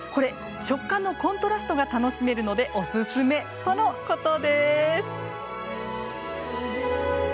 食感のコントラストが楽しめるのでおすすめとのことです。